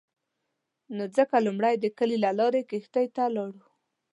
نو ځکه لومړی د کلي له لارې کښتۍ ته ولاړو.